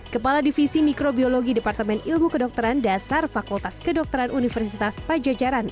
kepala divisi mikrobiologi departemen ilmu kedokteran dasar fakultas kedokteran universitas pajajaran